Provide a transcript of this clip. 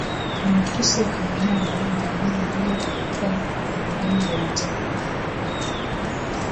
na Ukristo ukaenea Baada ya dola hilo kuanguka Wavandali waliteka